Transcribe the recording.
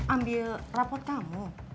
ambil rapot kamu